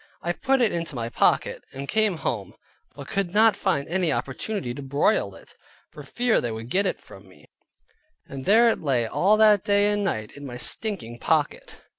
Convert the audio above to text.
I put it into my pocket, and came home, but could not find an opportunity to broil it, for fear they would get it from me, and there it lay all that day and night in my stinking pocket.